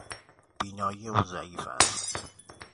بینایی او ضعیف است.